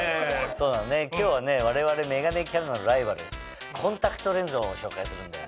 そうなのね今日は我々メガネキャラのライバルコンタクトレンズを紹介するんだよね。